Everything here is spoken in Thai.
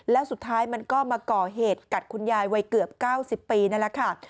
แล้วสุดท้ายมันก็มาก่อเหตุกัดคุณยายวัยเกือบ๙๐ปีนั่นแหละค่ะ